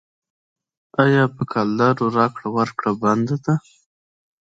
آیا په کلدارو راکړه ورکړه بنده ده؟